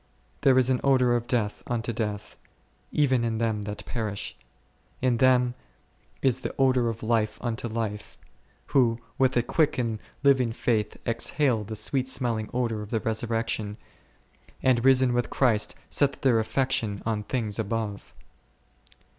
There is an odour of death unto death, even in them that perish ; in them is the odour of life unto life, who with a quick and living faith exhale the sweet smelling odour of the Resurrection, and, risen with Christ, set their affection on things above.